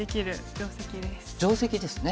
定石ですね。